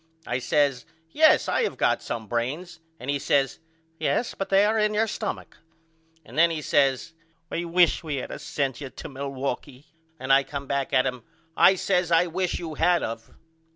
I says Yes I have to got some brains and he says Yes but they is in your stumach. And then he says I wish we had of sent you to Milwaukee and I come back at him. I says I wish you had of.